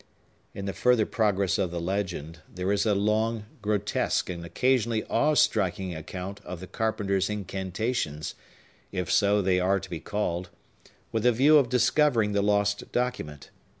In the further progress of the legend, there is a long, grotesque, and occasionally awe striking account of the carpenter's incantations (if so they are to be called), with a view of discovering the lost document.